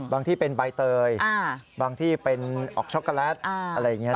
ที่เป็นใบเตยบางที่เป็นออกช็อกโกแลตอะไรอย่างนี้